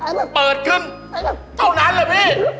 มันเปิดขึ้นเท่านั้นแหละพี่